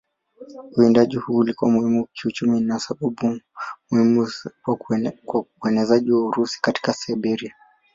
Uwindaji huu ulikuwa muhimu kiuchumi na sababu muhimu kwa uenezaji wa Urusi katika Siberia.